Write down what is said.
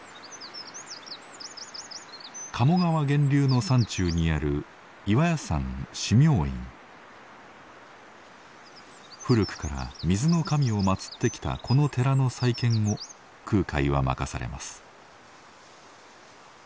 鴨川源流の山中にある古くから水の神を祀ってきたこの寺の再建を空海は任されます。